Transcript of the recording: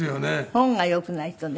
本がよくないとね。